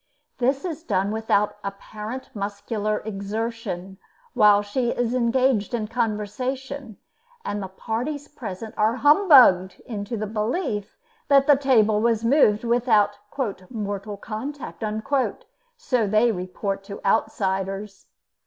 This is done without apparent muscular exertion, while she is engaged in conversation; and parties present are humbugged into the belief that the table was moved without "mortal contact" so they report to outsiders.